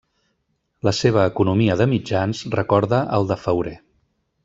La seva economia de mitjans recorda al de Fauré.